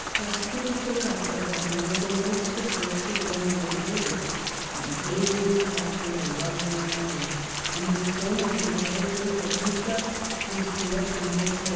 Castruccio Castracani was amongst the first to join the invader, he became his captain and right hand man, and was form ally declared Duke of Lucca, Pistoia and Volterra.